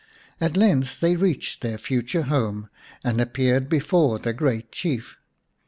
At length they reached their future home and appeared before the great Chief.